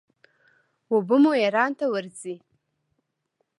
اوبه مو ایران ته ورځي.